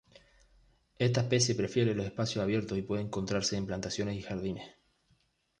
Esta especie prefiere los espacios abiertos y puede encontrarse en plantaciones y jardines.